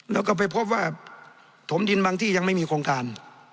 แล้วก็ไปพบว่าถมดินบางที่ยังไม่มีโครงการ